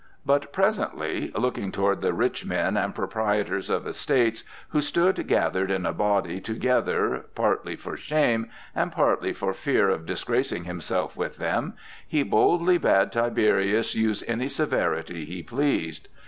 But presently looking toward the rich men and proprietors of estates, who stood gathered in a body together, partly for shame, and partly for fear of disgracing himself with them, he boldly bade Tiberius use any severity he pleased.